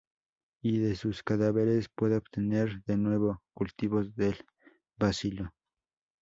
Y de sus cadáveres puede obtener, de nuevo, cultivos del bacilo.